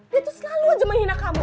dia tuh selalu aja menghina kamu